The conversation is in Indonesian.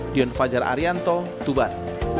dion fajar arianto tuban